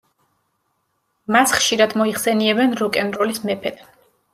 მას ხშირად მოიხსენიებენ „როკ-ენ-როლის მეფედ“.